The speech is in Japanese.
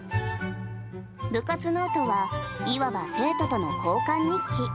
部活ノートは、いわば生徒との交換日記。